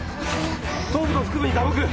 頭部と腹部に打撲。